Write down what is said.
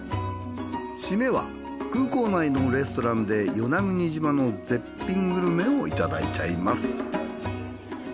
締めは空港内のレストランで与那国島の絶品グルメをいただいちゃいます。